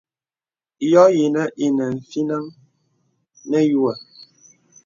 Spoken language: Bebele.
Yɔ̄ yìnə̀ inə fínaŋ nə̀ yùə̀ə̀.